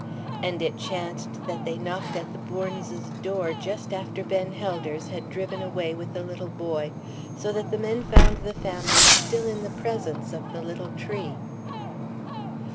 And it chanced that they knocked at the Bournes' door just after Ben Helders had driven away with the little boy, so that the men found the family still in the presence of the little tree.